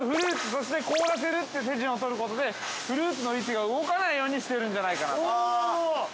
◆練乳、フルーツ、そして凍らせるという手順を取ることでフルーツの位置が動かないようにしてるんじゃないかなと。